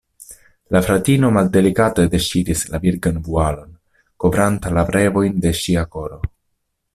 La fratino maldelikate deŝiris la virgan vualon, kovranta la revojn de ŝia koro.